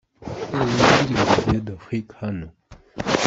Reba indirimbo ’Dieu d’Afrique’ hano :.